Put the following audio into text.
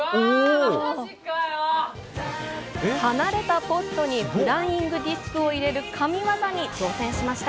離れたポストにフライングディスクを入れる神業に挑戦しました。